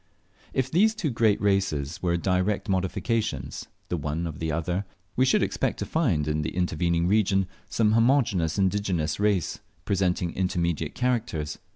If these two great races were direct modifications, the one of the other, we should expect to find in the intervening region some homogeneous indigenous race presenting intermediate characters.